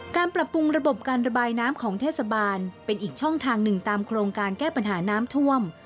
การปรับปรุงระบบการระบายน้ำของเทศบาลเป็นอีกช่องทางหนึ่งตามโครงการแก้ปัญหาน้ำท่วม